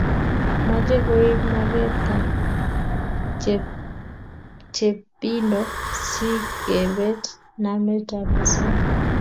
mache koip maget ab chepchepindo si kepet namet ab asoya